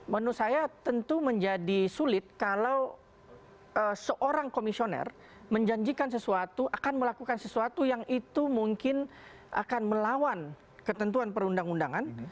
menurut saya tentu menjadi sulit kalau seorang komisioner menjanjikan sesuatu akan melakukan sesuatu yang itu mungkin akan melawan ketentuan perundang undangan